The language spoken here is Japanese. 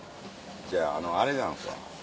ちゃうあれなんですわ。